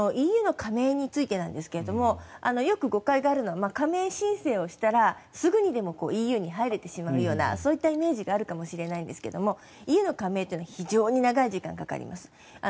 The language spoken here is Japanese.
ＥＵの加盟についてですがよく誤解があるのは加盟申請をしたらすぐにでもＥＵには入れてしまうようなそういったイメージがあるかもしれないんですがＥＵの加盟は非常に長い時間がかかります。